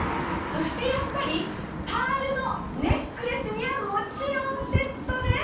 そしてやっぱりパールのネックレスにはもちろんセットで。